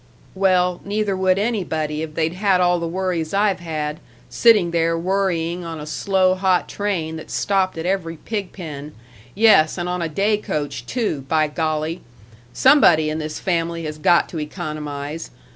"Well, neither would anybody if they'd had all the worries I've had, sitting there worrying on a slow, hot train that stopped at every pig pen yes, and on a day coach, too, by golly! Somebody in this family has got to economize!